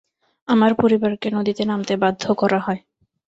আমার পরিবারকে নদীতে নামতে বাধ্য করা হয়।